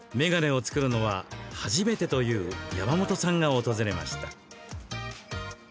眼鏡を作るのは初めてという山本さんが訪れました。